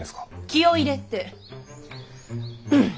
気を入れて。